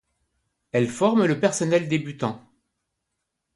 Elle forme le personnel débutant.